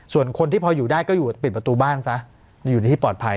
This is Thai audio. ส่วนคนที่พออยู่ได้ก็อยู่ปิดประตูบ้านซะอยู่ในที่ปลอดภัย